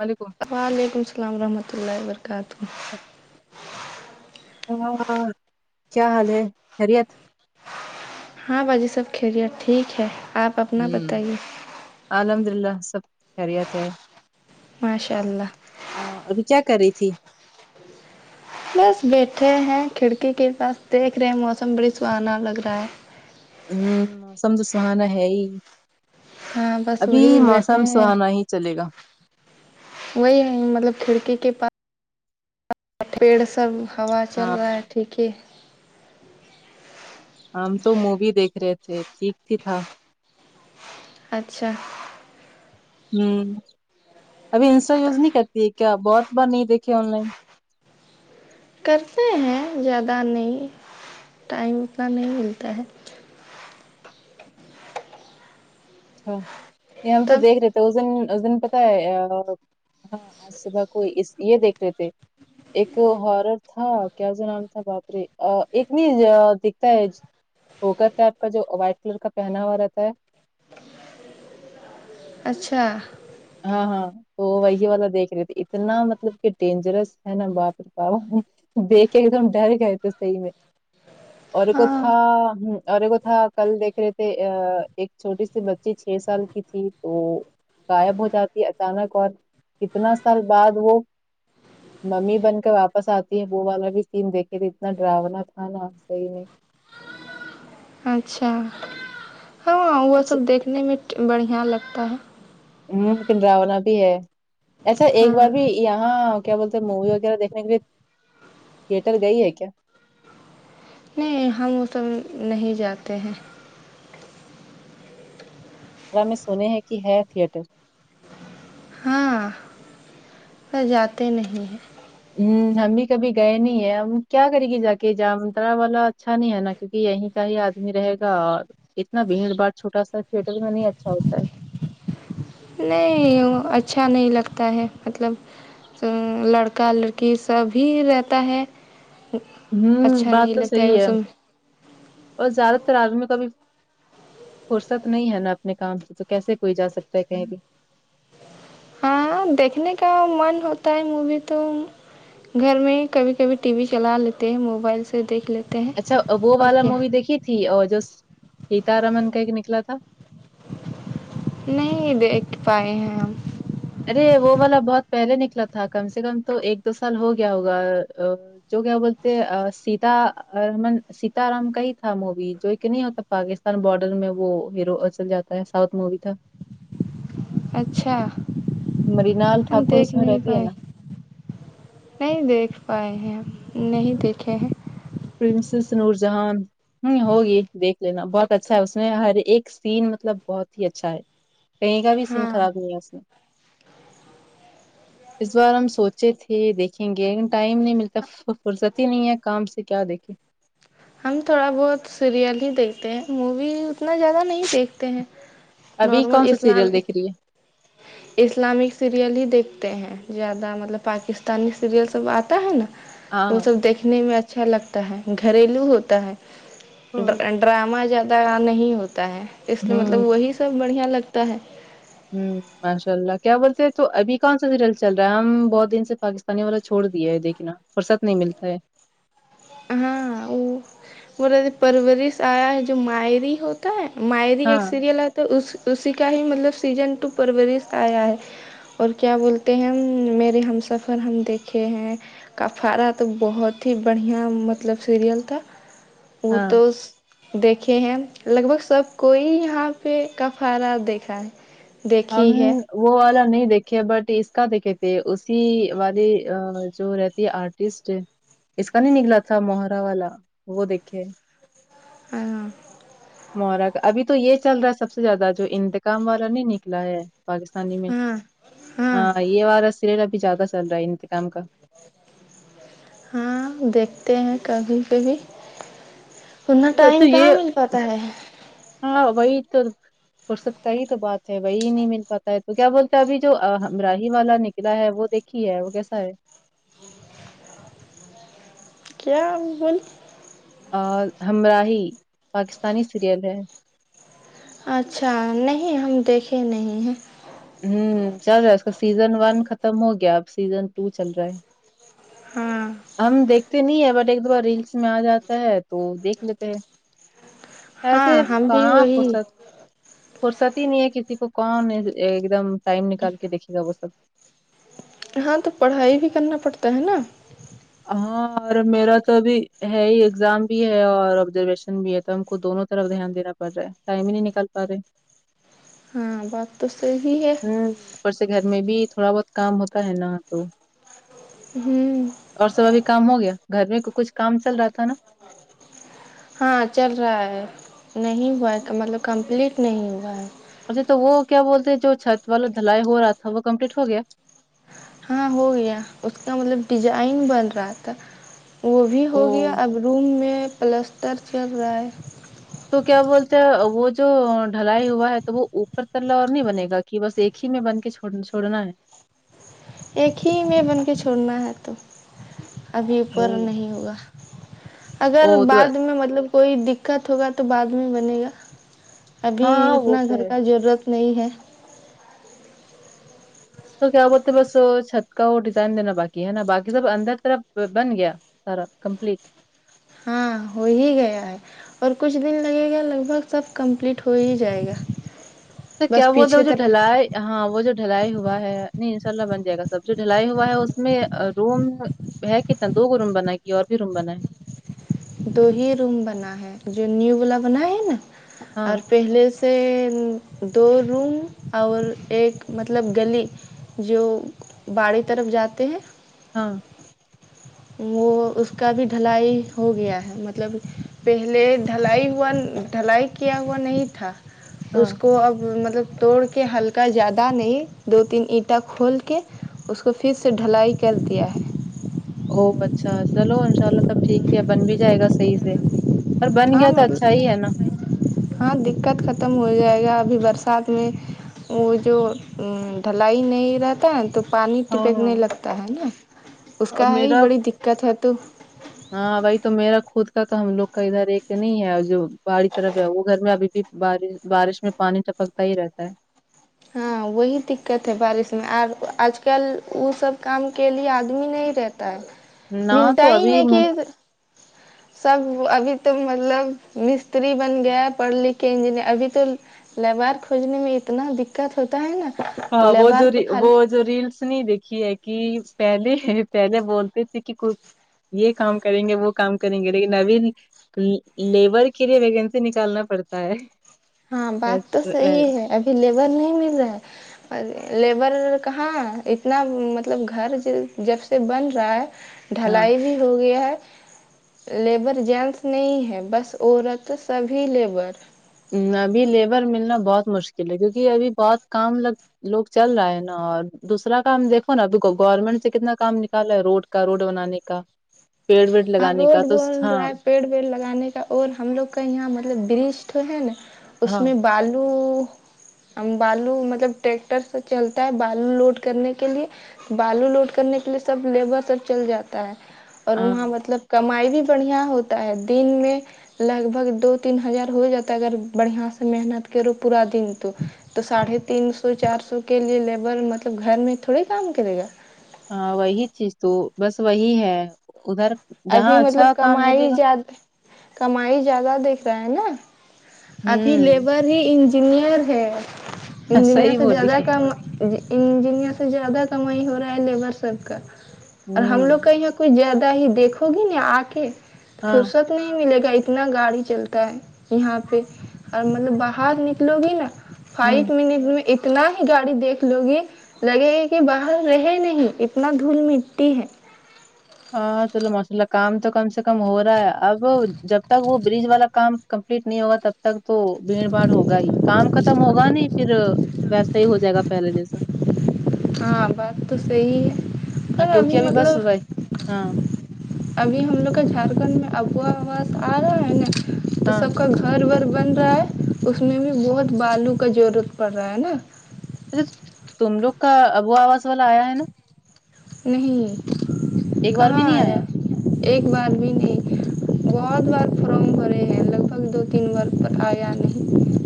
وعلیکم وعلیکم السلام ورحمۃ اللہ و برکاتہ ھمم کیا حال ہے خیریت ہاں باجی سب خیریت ٹھیک ہے آپ اپنا ھمم بتائیے الحمد للہ سب خیریت ہے ماشاء اللہ ا ابھی کیا کر رہی تھی بس بیٹھے ہیں کھڑکی کے پاس دیکھ رہے موسم بڑی سہانا لگ رہا ہے ھمم سمجھو سہانا ہے ہی ہاں بس ابھی وہی موسم بیٹھے ہیں سہانا ہی چلے گا وہی ہے مطلب کھڑکی کے پاس پیڑ سب ہوا چل رہا ہے ہاں ٹھیک ہے ہم تو مووی دیکھ رہے تھے ٹھیک ہی تھا اچھا ھمم ابھی انسٹا یوز نہیں کرتی ہے کیا بہت بار نہیں دیکھے آن لائن کرتے ہیں زیادہ نہیں ٹائم اتنا نہیں ملتا ہے اچھا یہ ہم تو تب دیکھ رہے تھے تو اس دن اس دن پتا ہے ہاں آج صبح کو یہ دیکھ رہے تھے ایک ہارر تھا کیا اس کا نام تھا باپرے ایک نہیں دکھتا ہے جوکر آپ کا جو وائٹ کلر کا پہنا ہوا رہتا ہے اچھا ہاں ہاں تو وہی والا دیکھ رہے تھے اتنا مطلب کہ ڈینجرس ہے نا باپ رے باپ دیکھے ایک دم ڈر گئے تھے صحیح میں اورایک وہ ہاں تھا اور ایک وہ تھا کل دیکھ رہے تھے ایک چھوٹی سی بچی چھ سال کی تھی تو غائب ہو جاتی اچانک اور کتنا سال بعد وہ ممی بن کے واپس آتی ہے وہ والا بھی سین دیکھے تھے اتنا ڈراونا تھا نا سہی میں اچھا ہاں وہ اچھا سب دیکھنے میں بڑھیا لگتا ہے ھممم لیکن ڈراونا بھی ہے ایسا ایک ہاں بار بھی یہاں کیا بولتے ہیں مووی وغیرہ دیکھنے کے لیے تھیٹر گئی ہے کیا ہم وہ سب نہیں جاتے ہیں سنے ہیں کی ہے تھئیٹر وہ جاتے نہیں ہیں ہ ہم بھی کبھی گئے نہیں ہیں ہم کیا کرینگی جا کے جامترا والا اچھا نہیں ہے نا کیونکہ یہی ہی آدمی رہے گا اور اتنا بھیڑ باڑ چھوٹا سا تھیٹر میں نہیں اچھا ہوتا ہے نہیں اچھا نہیں لگتا ہے مطلب لڑکا لڑکی سب ہی رہتے ہیں ہوں بات تو صحیح ہے اس میں، اور زیادہ تر آدمی کابھی فورست نہیں ہے نا اپنے کام سے تو کیسے کوئی جا سکتا ہے کہیں بھی ہاں دیکھنے کا من ہوتا ہے مووی تو گھر میں کبھی کبھی ٹی وی چلا لیتے ہیں موبائل سے دیکھ لیتے ہیں اچھا وہ اور والا کیا مووی دیکھی تھی اور جو سیتا رمن کا ایک نکلا تھا نہیں دیکھ پائے ہیں ہم ارے وہ والا بہت پہلے نکلا تھا کم سے کم تو ایک دو سال ہو گیا ہوگا جو کیا بولتے سیتان سیتا رام کا ہی تھا مووی جو کہ نہیں ہوتا پاکستان باڈر میں وہ ہیرو چل جاتا ہے ساؤتھ مووی تھا اچھا مرینال ہم ٹھاکر اس دیکھ میں نہیں رہتی ہے پائے نا نہیں دیکھ پائے ہیں نہیں دیکھے ہیں پرنسس نور جہان ہوں ہوگی دیکھ لینا بہت اچھا ہے اس میں ہر ایک سین مطلب بہت ہی اچھا ہے کہیں کا بھی سین ہاں خراب نہیں ہے اس میں اس بار ہم سوچے تھے دیکھیں گے لیکن ٹائم نہیں ملتا فرست ہی نہیں ہے کام سے کیا دیکھے ہم تھوڑا بہت سیریل ہی دیکھتے ہیں مووی اتنا زیادہ نہیں دیکھتے ہیں ابھی نارمل کون سا سیریل اسلامی دیکھ رہی ہے اسلامک سیریل ہی دیکھتے ہیں زیادہ مطلب پاکستانی سیریل سب آتا ہے نا وہ ہاں سب دیکھنے میں اچھا لگتا ہے گھریلو ہوتا ہے دا ہوں اینڈ ڈرامہ زیادہ نہیں ہوتا ہے اس لیے مطلب ہوں وہی سب بڑھیا لگتا ہے ہ ماشاء اللہ کیا بولتے ہیں تو ابھی کون سا سیریل چل رہا ہے ہم بہت دن سے پاکستانی والا چھوڑ دیا ہے دیکھناا فرست نہیں ملتا ہے ہاں وہ پرورش آیا ہے جو مایی ری ہو مائری ہاں ایک سیریل ہے تو اس اسی کا ہی مطلب سیزن ٹو پرورش آیا ہے اور کیا بولتے ہیں ہم میرے ہم سفر ہم دیکھے ہیں کفارا تو بہت ہی بڑھیا مطلب سیریل تھا وہ ہاں تو دیکھے ہیں لگ بھگ سب کوئی یہاں پہ کفارا دیکھا ہے ہم دیکھی ہے وہ والا نہیں دیکھے بٹ اس کا دیکھے تھے اسی والی جو رہتی ہے آرٹ ٹیسٹ اس کا نہیں نکلا تھا مہرا والا وہ دیکھے ہاں مہرا کا ابھی تو یہ چل رہا ہے سب سے زیادہ جو انتقام والا نہیں نکلا ہے پاکستانی میں ہاں ہاں یہ والا سیریل بھی زیادہ چل رہا ہے انتقام کا ہاں دیکھتے ہیں کبھی کبھی اتنا تو ٹائم یہ کہاں مل پاتا ہے ہاں وہی تو فرست کا ہی تو بات ہے وہی نہیں مل پاتا ہے تو کیا بولتا ہے ابھی جو ہمراہی والا ن کلا ہے وہ دیکھی ہے وہ کیسا ہے کیا وہ اور ہمراہی پاکستانی سیریل ہے اچھا نہیں ہم دیکھے نہیں ہیں ہوں چل رہا ہے اس کا سیزن ون ختم ہو گیا اب سیزن ٹو چل رہا ہے ہاں ہم دیکھتے نہیں ہے بٹ ایک دو بار ریلس میں آ جاتا ہے تو دیکھ لیتے ہیں ایسے ہاں ہم بھی کہاں وہی فرست فرست ہی نہیں ہے کسی کو کون ایک دم ٹائم نکال کے دیکھے گا وہ سب ہاں تو پڑھائی بھی کرنا پڑتا ہے نا ہاں اور میرا تو ابھی ہے ہی ایگزام بھی ہے اور ابزرویشن بھی ہے تو ہم کو دونوں طرف دھیان دینا پڑ رہا ہے ٹائم ہی نہیں نکال پا رہے ہاں بات تو صحیح ہے ہ اوپر سے گھر میں بھی تھوڑا بہت کام ہوتا ہے نا تو ہوں اور سب ابھی کام ہو گیا گھر میں کچھ کام چل رہا تھا نا ہاں چل رہا ہے نہیں ہوا ہے مطلب کمپلیٹ نہیں ہوا ہے اچھا تو وہ کیا بولتے ہیں جو چھت والا دھلائی ہو رہا تھا وہ کمپلیٹ ہو گیا ہاں ہو گیا اس کا مطلب ڈیزائن بن رہا تھا وہ بھی او ہو گیا اب روم میں پلسٹر چل رہا ہے تو کیا بولتے ہیں وہ جو ڈھلائی ہوا ہے تو وہ اوپر تللا اور نہیں بنے گا کی بس ایک ہی میں بن کے چڑ چھوڑنا ہے ایک ہی میں بن کے چھڑنا ہے تو ابھی او اوپر نہیں ہوگا او اگر تو بعد میں مطلب کوئی دککت ہوگا تو بعد میں بنے گا ابھی ہاں وہ اتنا تو گھر ہے کا ضرورت نہیں ہے تو کیا بولتے بس چھت کا وہ ڈیزائن دینا باقی ہے نا باقی سب اندر طرف بن گیا سارا کمپلیٹ ہاں ہو ہی گیا ہے اور کچھ دن لگے گا لگ بھگ سب کمپلیٹ ہو ہی جائے گا تو کیا بس وہ پیچھے جو طرح ڈھلائی ہاں وہ جو ڈھلائی ہوا ہے نہیں ان شاء اللہ بن جائے گا سب جو ڈھلائی ہوا ہے اس میں روم ہے کتنا دو روم بنا ہے کہ اور بھی روم بنا ہے دو ہی روم بنا ہے جو نیو والا بنا ہے نا ہاں اور پہلے سے دو روم اور ایک مطلب گلی جو باڑے طرف جاتے ہیں ہاں وہ اس کا بھی ڈھلائی ہو گیا ہے مطلب پہلے ڈھلائی ہوا ڈھلائی کیا ہوا نہیں تھا ہاں اس کو اب مطلب توڑ کے ہلکا زیادہ نہیں دو تین اینٹا کھول کے اس کو پھر سے ڈھلائی کر دیا ہے او اچھا چلو ان شاء اللہ تب ٹھیک کیا بن بھی جائے گا صحیح سے اور بن ہاں گیا تو اچھا ہی مطلب ہے نا ہاں دککت ختم ہو جائے گا ابھی برسات میں وہ جو ڈھلائی نہیں رہتا ہے تو پانی ہاں ٹپکنے لگتا ہے نا اس اور کا ہی میرا بڑی دککت ہے تو ہاں بھائی تو میرا خود کا تو ہم لوگ کا ادھر ایک نہیں ہے جو باڈی کی طرف ہے وہ گھر میں ابھی پے بارش بارش میں پانی ٹپکتا ہی رہتا ہے ہاں وہی دککت ہے بارش میں اور آج کل وہ سب کام کے لیے آدمی نہیں رہ تا ہے نہ ملتا تو ہی نہیں ابھی کی سب ابھی تو مطلب مستری بن گیا ہے پڑھ لکھ کے انجینئر ابھی تو لوار کھوجنے میں اتنا دقت ہوتا ہے نا ہاں وہ لیبار جو تو وہ خالی جو ریلس نہیں دیکھی ہے کہ پہلے پہلے بولتے تھے کہ یہ کام کریں گے وہ کام کریں گے لیکن ابھی لیبر کے لیے ویکنسی نکالنا پڑتا ہے ہاں بات ویس- تو وے- صحیح ہے ابھی لیبر نہیں مل رہا ہے لیبر کہاں اتنا مطلب گھر جب سے بن رہا ہے ہاں ڈھلائی بھی ہو گیا ہے لیبر جینس نہیں ہے بس عورت سبھی لیبر ابھی لیبر ملنا بہت مشکل ہے کیونکہ ابھی بہت کام لگ لوگ چل رہا ہے نا اور دوسرا کام دیکھو نا ابھی گورنمنٹ سے کتنا کام نکال رہا ہے روڈ کا روڈ بنانے کا پیڑ ویڑ ہاں لگانے کا روڈ تو بول ہاں رہا ہے پیڑ ویڑ لگانے کا اور ہم لوگ کا یہاں مطلب برج تو ہے نا اس ہاں میں بالو بالو مطلب ٹریکٹر سے چلتا ہے بالو لوڈ کرنے کے لیے بالو لوڈ کرنے کے لیے سب لیبر سب چل جاتا ہے اور وہاں ہاں مطلب کمائی بھی بڑھیا ہوتا ہے دن میں لگ بھگ دو تین ہزار ہو جاتا ہے اگر بڑھیا سے محنت کرو پورا دن تو تو ساڑھے تین سو چار سو کے لیے لیبر مطلب گھر میں تھوڑی کام کرے گا ہاں وہی چیز تو بس وہی ہے ادھر ابھی جہاں مطلب اچھا کام کمائی ملے زیادہ کمائی زیادہ دیکھ رہا ہے نا ابھی ہوں لیبر ہی انجینئر ہے انجینئر صحیح سے بولی زیادہ کمائی انجنیر سے زیادہ کمائی ہو رہا ہے لیبر سب کا اور ہم ہوں لوگ کہ یہاں کچھ زیادہ ہی دیکھو گی نا آ کے ہاں فرصت نہیں ملے گا اتنا گاڑی چلتا ہے یہاں پہ اور مطلب باہر نکلو گی نا ہوں فائیو منٹ میں اتنا ہی گاڑی دیکھ لو گی لگے گی کہ باہر رہے نہیں اتنا دھول مٹی ہے ہاں چلو ماشاء اللہ کام تو کم سے کم ہو رہا ہے اب جب تک وہ برج والا کام کمپلیٹ نہیں ہوگا تب تک تو بھیڑ باڑ ہوگا ہی کام ختم ہوگا نہیں پھر ویسا ہی ہو جائے گا پہلے جیسا ہاں بات تو صحی ہے ہاں پر ابھی کیونکہ بس مطلب وہ ہاں ابھی ہم لوگ کا جھارکھنڈ میں اب وا واز آ رہا ہے نا تو ہاں سب کا گھر ور بن رہا ہے اس میں بھی بہت بالو کا ضرورت پڑ رہا ہے نا تم لوگ کا ابو آواز والا آیا ہے نا نہیں ایک بار کہاں بھی نہیں آیا ایک بار بھی نہیں بہت بار فارم بھرے ہیں لگ بھگ دو تین بار پر آیا نہیں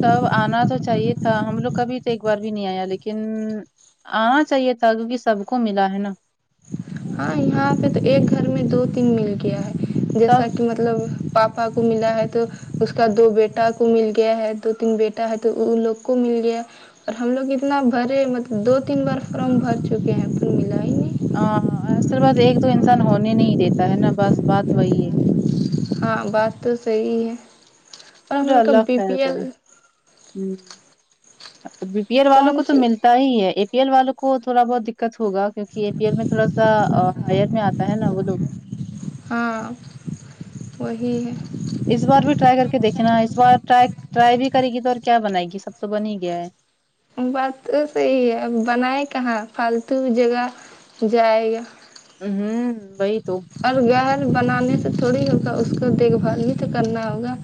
تب آنا تو چاہیے تھا ہم لوگ کبھی تو ایک بار بھی نہیں آیا لیکن آنا چاہیے تھا کیونکے سب کو ملا ہے نا ہاں یہاں پہ تو ایک گھر میں دو تین مل گیا ہے تب جیسا کی مطلب مطلب پاپا کو ملا ہے تو اس کا دو بیٹا کو مل گیا ہے دو تین بیٹا ہے تو ان لوگ کو مل گیا اور ہم لوگ اتنا بھرے مطلب دو تین بار فارم بھر چکے ہیں پھر ملا ہی نہیں آا اصل بس ایک دو انسان ہونے نہیں دیتا ہے نا بس بات وہی ہے ہاں بات تو صحی ہے اور ہم پھر لوگ کا اللہ بی خیر پی ایل کرے ھمم بی پی ایل والوں کون کو تو سی ملتا ہی ہے اے پی ایل والوں کو تھوڑا بہت دککت ہوگا کیوںک اے پی ایل میں تھوڑا سا ہائر میں آتا ہے نا وہ لوگ ہاں وہی ہے اس بار بھی ٹرائی کر کے دیکھے نا اس بارٹرائی ٹرائی بھی کرے گی تو اور کیا بنائے گی سب تو بن ہی گیا ہے بات تو صحیح ہے اب بنائے کہاں فالتو جگہ جائے گا ھمم وہی تو اور گهر بنانے سے تھوڑی ہوگا اس کو دیکھ بھال بھی تو کرنا ہوگا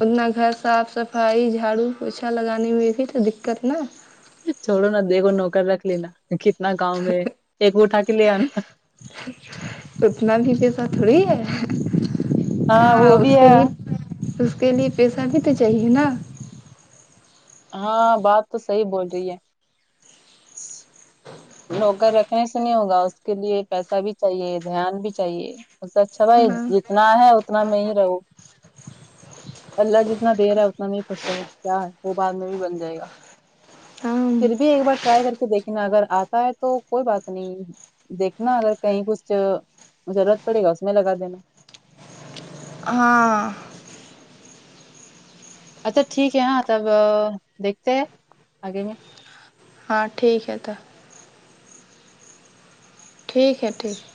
اتنا گھر صاف صفائی جھاڑو پوچھا لگانے میں بھی تو دککت نا چھوڑو نا دیکھو نوکر رکھ لینا کتنا گاؤں میں ایک وہ اٹھا کے لے آنا اتنا بھی پیسہ تھوڑی ہے ہاں کہاں وہ اس بھی کے ہے لیے اس کے لیے پیسہ بھی تو چاہیے نا ہاں بات تو صحیح بول رہی ہے نوکر رکھنے سے نہیں ہوگا اس کے لیے پیسہ بھی چاہیے دھیان بھی چاہیے اچھا بھائی ہاں جتنا ہے اتنا میں ہی رہوں اللہ جتنا دیرا ہے اتنا میں خوش رہوں کیا ہے وہ بعد میں بھی بن جائے گا ہاں پھر بھی ایک بار ٹرائی کر کے دیکھینا اگر آپ ہاں تو کوئی بات نہیں دیکھنا اگر کہیں کچھ ضرورت پڑے گا اس میں لگا دینا ہاں اچھا ٹھیک ہے ہاں تب دیکھتے ہے آگے میں ہاں ٹھیک ہے تو ٹھیک ہے ٹھیک ہے